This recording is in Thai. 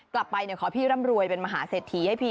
กลับไปขอพี่ร่ำรวยเป็นมหาเศรษฐีให้พี่